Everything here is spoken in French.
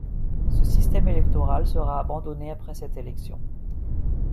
Ce système électoral sera abandonné après cette élection.